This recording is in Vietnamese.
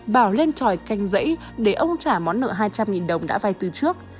bảo lên tròi canh dãy để ông trả món nợ hai trăm linh đồng đã vai từ trước